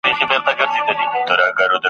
زه د خپل وجود په وینو دلته شمعي بلومه ,